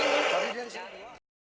api biar di sini